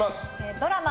ドラマ